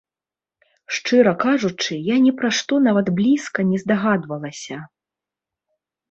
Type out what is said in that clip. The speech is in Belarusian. Шчыра кажучы, я ні пра што нават блізка не здагадвалася!